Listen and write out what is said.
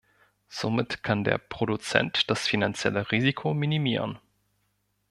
Somit kann der Produzent das finanzielle Risiko minimieren.